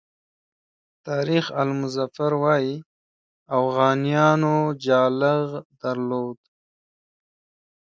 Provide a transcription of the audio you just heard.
تاریخ آل مظفر وایي اوغانیانو جالغ درلود.